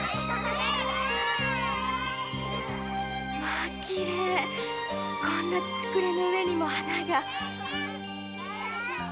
まぁきれいこんな土くれの上にも花が。